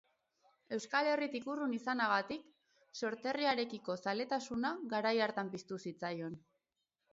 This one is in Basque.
Euskal Herritik urrun izanagatik, sorterriarekiko zaletasuna garai hartan piztu zitzaion.